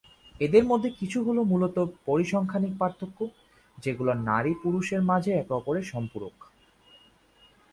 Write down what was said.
এদের মধ্যে কিছু হল মূলত পরিসংখ্যানিক পার্থক্য, যেগুলো নারী পুরুষের মাঝে একে অপরের সম্পূরক।